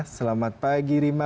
selamat pagi rima